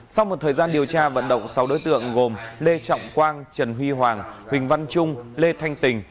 sau một thời gian điều tra vận động sáu đối tượng gồm lê trọng quang trần huy hoàng huỳnh văn trung lê thanh tình